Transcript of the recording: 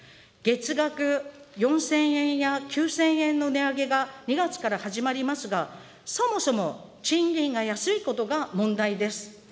月額４０００円や９０００円の値上げが２月から始まりますが、そもそも賃金が安いことが問題です。